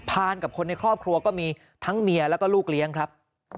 พานกับคนในครอบครัวก็มีทั้งเมียแล้วก็ลูกเลี้ยงครับ